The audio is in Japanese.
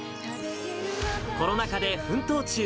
コロナ禍で奮闘中！